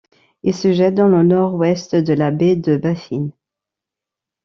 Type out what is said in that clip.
Il se jette dans le nord-ouest de la baie de Baffin.